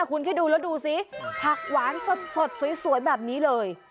คุณคิดดูแล้วดูสิผักหวานสดสวยแบบนี้เลย